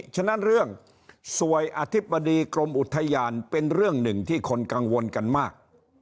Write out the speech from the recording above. ฉะนั้นเรื่องสวยอธิบดีกรมอุทยานเป็นเรื่องหนึ่งที่คนกังวลกันมาก